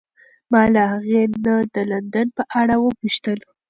ما له هغې نه د لندن په اړه وپوښتل.